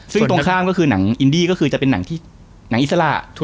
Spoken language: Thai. ซึ่งตรงข้ามก็คือหนังอินดี้ก็คือจะเป็นหนังที่หนังอิสระ